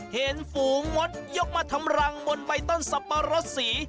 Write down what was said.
ฝูงมดยกมาทำรังบนใบต้นสับปะรดสี